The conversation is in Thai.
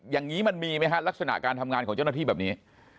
อย่างนี้มันมีไหมฮะลักษณะการทำงานของเจ้าหน้าที่แบบนี้